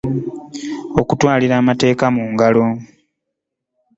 Okutwalira amateeka mu ngalo .